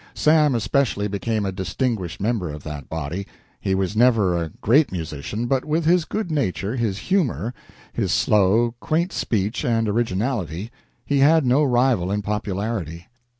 Sam, especially, became a distinguished member of that body. He was never a great musician, but with his good nature, his humor, his slow, quaint speech and originality, he had no rival in popularity.